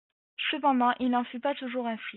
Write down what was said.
Cependant Il n’en fut pas toujours ainsi…